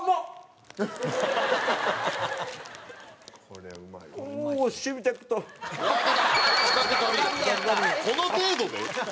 この程度で？